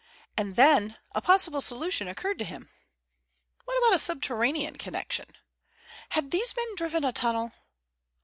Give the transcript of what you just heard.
And then a possible solution occurred to him. What about a subterranean connection? Had these men driven a tunnel?